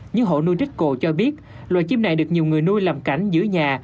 những hộ nuôi rích cổ cho biết loài chim này được nhiều người nuôi làm cảnh giữa nhà